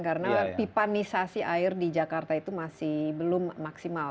karena pipanisasi air di jakarta itu masih belum maksimal